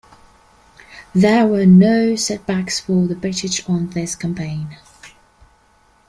There were no setbacks for the British on this campaign.